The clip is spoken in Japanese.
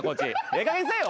ええかげんにせえよ。